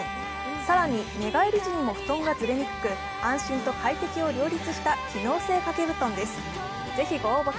更に寝返り時にも布団がずれにくく、安心と快適を両立した機能性掛け布団です。